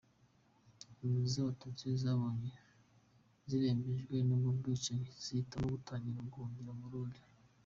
Impunzi z’Abatutsi zabonye zirembejwe n’ubwo bwicanyi zihitamo gutangira guhungira mu Burundi.